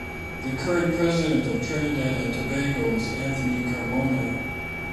The current President of Trinidad and Tobago is Anthony Carmona.